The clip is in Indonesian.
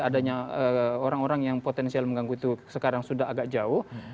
adanya orang orang yang potensial mengganggu itu sekarang sudah agak jauh